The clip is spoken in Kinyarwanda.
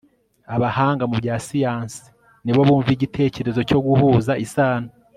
abahanga mu bya siyansi ni bo bumva igitekerezo cyo guhuza isano